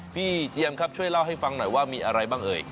เจียมครับช่วยเล่าให้ฟังหน่อยว่ามีอะไรบ้างเอ่ย